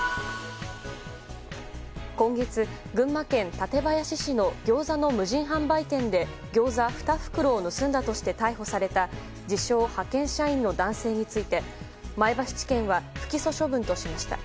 今月、群馬県館林市のギョーザの無人販売店でギョーザ２袋を盗んだとして逮捕された自称派遣社員の男性について前橋地検は不起訴処分としました。